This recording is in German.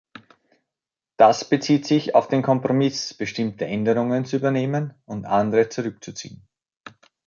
Das bezieht sich auf den Kompromiss, bestimmte Änderungen zu übernehmen und andere zurückzuziehen.